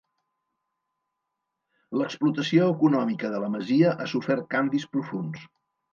L'explotació econòmica de la masia ha sofert canvis profunds.